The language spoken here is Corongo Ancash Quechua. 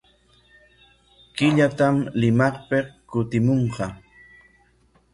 Killatam Limapik kutimunqa.